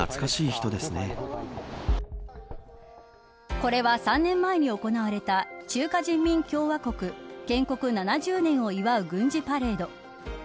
これは３年前に行われた中華人民共和国建国７０年を祝う軍事パレード。